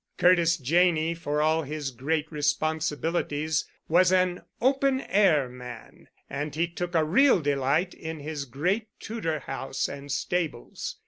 Curtis Janney, for all his great responsibilities, was an open air man, and he took a real delight in his great Tudor house and stables.